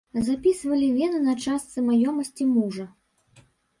Запісвалі вена на частцы маёмасці мужа.